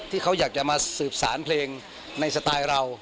ที่เขาอยากจะมาสืบสารเพลงในสไตล์เรา